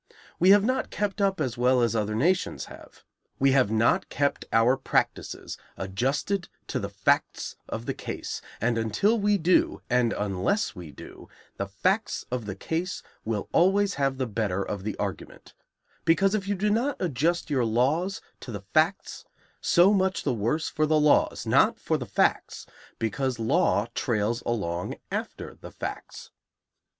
We have not kept up as well as other nations have. We have not kept our practices adjusted to the facts of the case, and until we do, and unless we do, the facts of the case will always have the better of the argument; because if you do not adjust your laws to the facts, so much the worse for the laws, not for the facts, because law trails along after the facts.